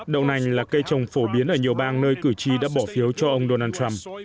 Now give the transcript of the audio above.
đậu nành là cây trồng phổ biến ở nhiều bang nơi cử tri đã bỏ phiếu cho ông donald trump